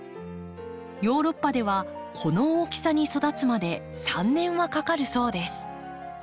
ヨーロッパではこの大きさに育つまで３年はかかるそうです。